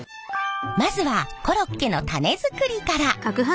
まずはコロッケのタネ作りから。